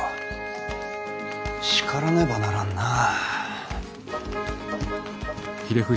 叱らねばならんなあ。